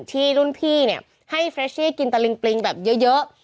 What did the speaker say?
ที่รุ่นพี่เนี่ยให้เฟรชชี่กินตะลิงปริงแบบเยอะ